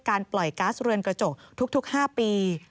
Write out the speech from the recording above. ปล่อยก๊าซเรือนกระจกทุก๕ปี